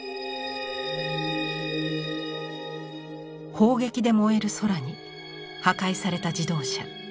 砲撃で燃える空に破壊された自動車。